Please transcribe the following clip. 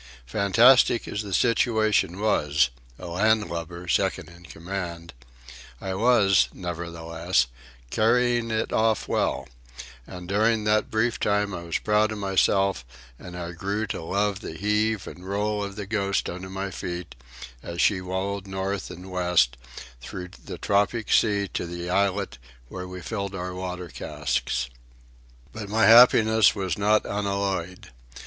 Fantastic as the situation was,—a land lubber second in command,—I was, nevertheless, carrying it off well; and during that brief time I was proud of myself, and I grew to love the heave and roll of the Ghost under my feet as she wallowed north and west through the tropic sea to the islet where we filled our water casks. But my happiness was not unalloyed.